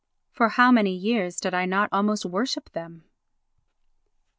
For how many years did I not almost worship them?